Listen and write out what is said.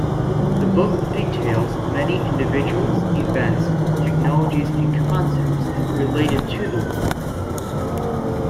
The book details many individuals, events, technologies, and concepts related to the War.